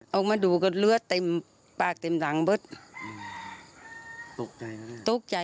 เอามาดูก็เลือดเต็มปากเต็มหลังบึ๊ดตกใจตกใจ